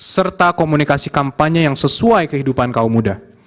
serta komunikasi kampanye yang sesuai kehidupan kaum muda